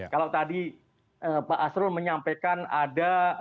kalau tadi pak asrul menyampaikan ada